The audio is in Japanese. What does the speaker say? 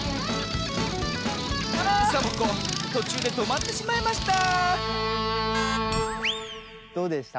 サボ子とちゅうでとまってしまいましたどうでした？